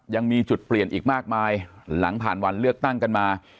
ยังมีจุดเปลี่ยนอีกมากมายหลังผ่านวันเลือกตั้งกันมา